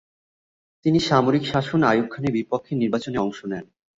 তিনি সামরিক শাসন আইয়ুব খানের বিপক্ষে নির্বাচনে অংশ নেন।